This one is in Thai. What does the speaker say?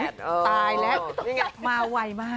๙๘ตายแล้วมาไวมาก